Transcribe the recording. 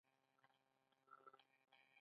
ګلان د کور دننه هم ساتل کیږي.